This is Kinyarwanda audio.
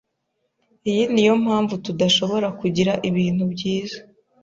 Iyi niyo mpamvu tudashobora kugira ibintu byiza.